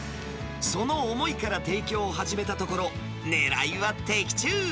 その思いから提供を始めたところ、狙いは的中。